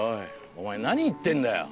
お前何言ってんだよ。